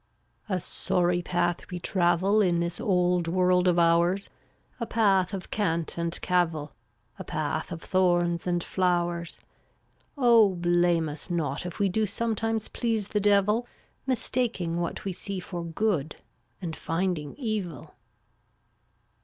sun<$ (fttttAt* ^ sorry path we travel „ In this old world of ours, ^JvC/ A path of cant and cavil — A path of thorns and flowers. Oh, blame us not if we Do sometimes please the Devil, Mistaking what we see For good, and finding evil.